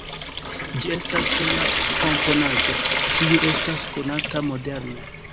Ĝi estas sola komponaĵo kiu estas konata moderne.